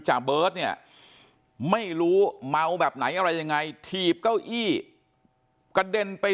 เบิร์ตเนี่ยไม่รู้เมาแบบไหนอะไรยังไงถีบเก้าอี้กระเด็นไป